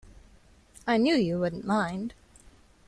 I knew you wouldn't mind.